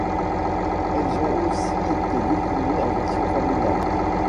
Elles ont aussi été déclinées en version familiale.